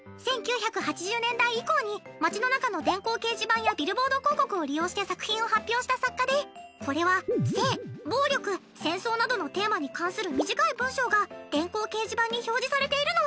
街の中の電光掲示板やビルボード広告を利用して作品を発表した作家でこれは性暴力戦争などのテーマに関する短い文章が電光掲示板に表示されているの。